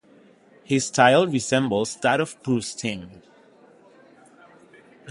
His style resembles that of Bruce Timm.